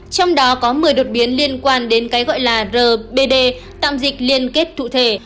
trong đó có một mươi đột biến liên quan đến cái gọi là rbd tạm dịch liên kết cụ thể